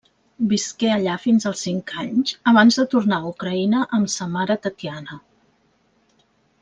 Visqué allà fins als cinc anys abans de tornar a Ucraïna amb sa mare Tatiana.